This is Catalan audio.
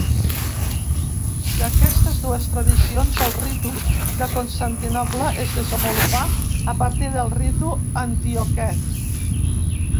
D'aquestes dues tradicions, el ritu de Constantinoble es desenvolupà a partir del ritu antioquè.